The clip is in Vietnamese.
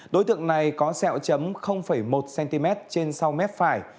đối tượng này có sẹo chấm một cm trên sau mép phải